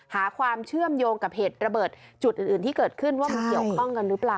หาความเชื่อมโยงกับเหตุระเบิดจุดอื่นที่เกิดขึ้นว่ามันเกี่ยวข้องกันหรือเปล่า